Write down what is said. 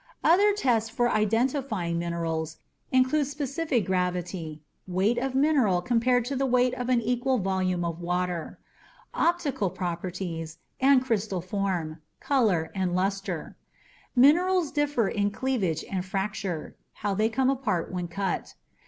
Other tests for identifying minerals include specific gravity (weight of mineral compared to the weight of an equal volume of water), optical properties and crystal form, color and luster. Minerals differ in cleavage and fracture (how they come apart when cut).